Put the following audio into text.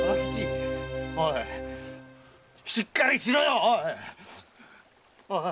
しっかりしろよ！